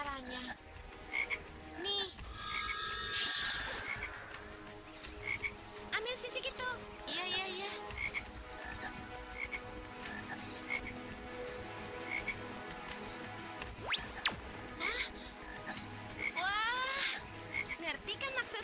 kenapa jadi seperti ini